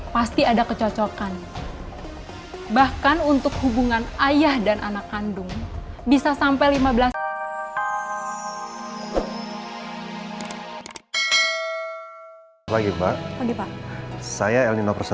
pak jadi reina bukan anak dari almarhum pak roy